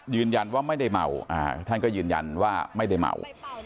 ยืนยันว่าไม่ได้เมาท่านก็ยืนยันว่าไม่ได้เมา